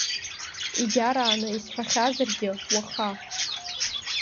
Егьарааны исҳәахьазаргьы, уаха…